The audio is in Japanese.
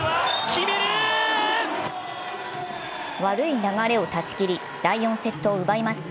悪い流れを断ち切り第４セットを奪います。